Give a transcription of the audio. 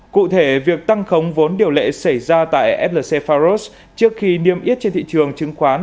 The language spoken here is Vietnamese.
cụ thể việc tăng khống vốn điều lệ xảy ra tại flc faros trước khi niêm yết trên thị trường chứng khoán